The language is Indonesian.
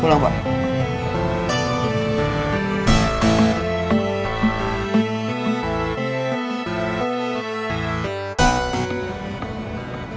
oke kalau gitu